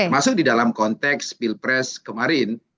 masuk di dalam konteks pilpres kemarin